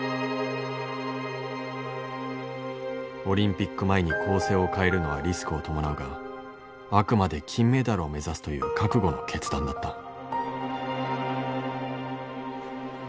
オリンピック前に構成を変えるのはリスクを伴うがあくまで金メダルを目指すという覚悟の決断だった。